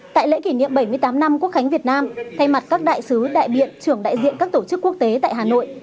tại lễ kỷ niệm bảy mươi tám năm quốc khánh việt nam thay mặt các đại sứ đại biện trưởng đại diện các tổ chức quốc tế tại hà nội